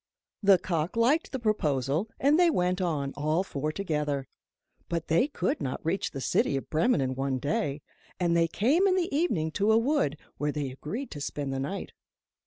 The cock liked the proposal, and they went on, all four together. But they could not reach the city of Bremen in one day, and they came in the evening to a wood, where they agreed to spend the night.